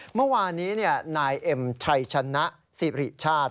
เมื่อวานี้เนี่ยนายเอ็มไชชนะศิริชาติ